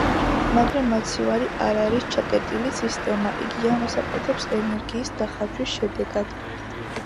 მაგრამ მაცივარი არ არის ჩაკეტილი სისტემა, იგი ამას აკეთებს ენერგიის დახარჯვის შედეგად.